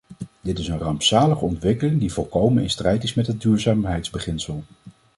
Dit is een rampzalige ontwikkeling die volkomen in strijd is met het duurzaamheidsbeginsel.